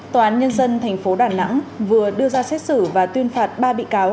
tòa án nhân dân thành phố đà nẵng vừa đưa ra xét xử và tuyên phạt ba địa chỉ